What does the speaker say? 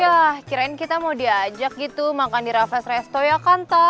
yah kirain kita mau diajak gitu makan di raffles restaurant ya kan ta